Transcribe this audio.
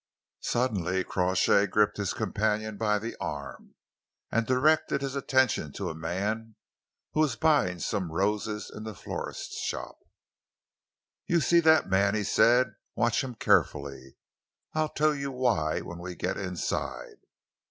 Suddenly Crawshay gripped his companion by the arm and directed his attention to a man who was buying some roses in the florist's shop. "You see that man?" he said. "Watch him carefully. I'll tell you why when we get inside."